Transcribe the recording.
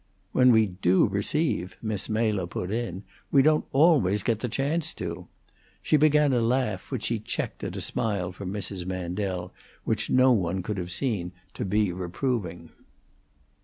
"When we do receive," Miss Mela put in. "We don't always get the chance to." She began a laugh, which she checked at a smile from Mrs. Mandel, which no one could have seen to be reproving.